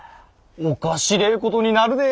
おっかしれえことになるで。